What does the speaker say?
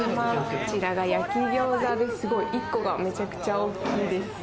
こちらが焼き餃子で、すごい１個がめちゃくちゃ大きいです。